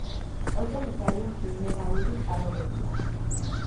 ელტონის რაიონში მინერალური წყაროებია.